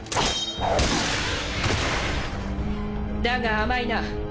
だが甘いな。